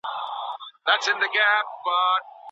د واکسین بکسونه څنګه جوړ سوي دي؟